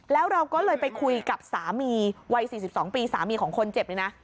แล้วเราก็เลยไปคุยกับสามีวัย๔๒ปีสามีของคนเจ็บเลยนะ